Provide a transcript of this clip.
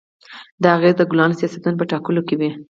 دا اغېز د کلانو سیاستونو په ټاکلو کې وي.